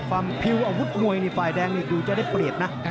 พิวอาวุธมวยนี่ฝ่ายแดงนี่ดูจะได้เปรียบนะ